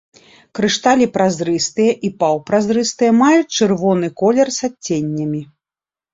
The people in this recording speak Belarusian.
Крышталі празрыстыя і паўпразрыстыя, маюць чырвоны колер з адценнямі.